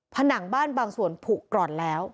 ผนังบ้านบางส่วนผูกก่อนแล้ว